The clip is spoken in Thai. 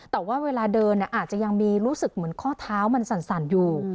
แต่ว่าเวลาเดินอาจจะยังมีรู้สึกเหมือนข้อเท้ามันสั่นอยู่